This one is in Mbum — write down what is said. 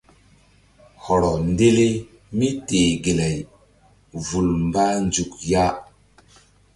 Hɔrɔ ndele míteh gelay vul mbah nzuk ya.